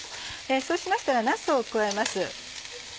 そうしましたらなすを加えます。